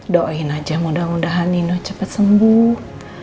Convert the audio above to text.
doain aja mudah mudahan nino cepat sembuh